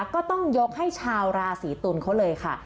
ก็ต้องยกให้ชาวราศีตุลเขาเลยค่ะ